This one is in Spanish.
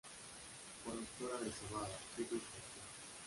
Productora de cebada, trigo y girasol.